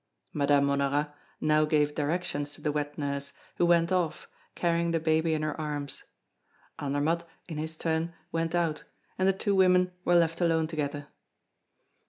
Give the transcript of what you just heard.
Madame Honorat now gave directions to the wet nurse, who went off, carrying the baby in her arms. Andermatt, in his turn, went out, and the two women were left alone together.